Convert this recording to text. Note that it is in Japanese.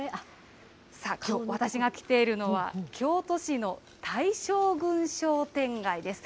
さあ、きょう私が来ているのは、京都市の大将軍商店街です。